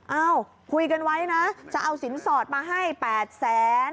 เอ้าคุยกันไว้นะจะเอาสินสอดมาให้๘แสน